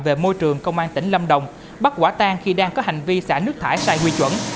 về môi trường công an tỉnh lâm đồng bắt quả tang khi đang có hành vi xả nước thải sai quy chuẩn